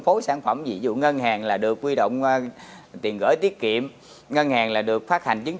phối sản phẩm dịch vụ ngân hàng là được quy động tiền gửi tiết kiệm ngân hàng là được phát hành chứng